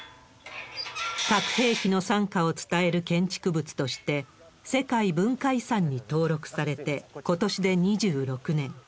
核兵器の惨禍を伝える建築物として、世界文化遺産に登録されて、ことしで２６年。